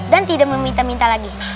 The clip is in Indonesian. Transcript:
dan tidak meminta minta lagi